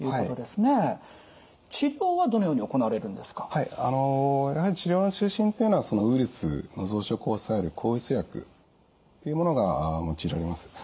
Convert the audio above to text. はいやはり治療の中心というのはウイルスの増殖を抑える抗ウイルス薬というものが用いられます。